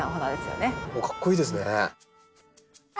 かっこいいですね。